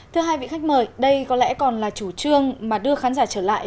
thưa hai vị khách mời đây có lẽ còn là chủ trương mà đưa khán giả trở lại